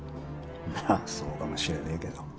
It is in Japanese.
まあそうかもしれねえけど。